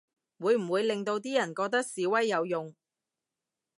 會唔會令到啲人覺得示威有用